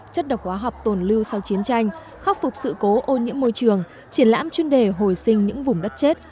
chất độc hóa học tồn lưu sau chiến tranh khắc phục sự cố ô nhiễm môi trường triển lãm chuyên đề hồi sinh những vùng đất chết